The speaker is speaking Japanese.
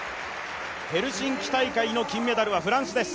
ヘルシンキ大会の金メダルはフランスです。